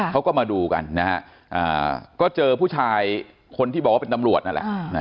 เขาก็มาดูกันนะฮะก็เจอผู้ชายคนที่บอกว่าเป็นตำรวจนั่นแหละ